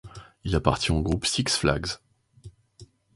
Il appartient au groupe Six Flags.